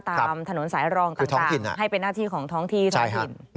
ตามถนนสายรองต่างให้เป็นหน้าที่ของท้องที่ท้องถิ่น